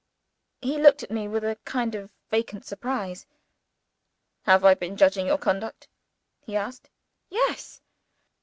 He looked at me with a kind of vacant surprise. "Have I been judging your conduct?" he asked. "Yes."